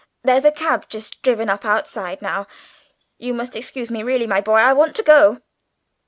There's a cab just driven up outside now. You must excuse me, really, my boy, I want to go."